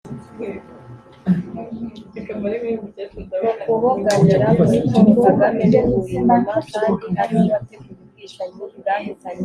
mu kubogamira kuri paul kagame bivuye inyuma kandi ari we wateguye ubwicanyi bwahitanye